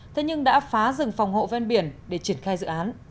thế nhưng đã phá rừng phòng hộ ven biển để triển khai dự án